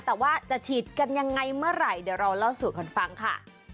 แต่ว่าจะฉีดกันยังไงเมื่อไหร่เดี๋ยวเราเล่าสู่กันฟังค่ะ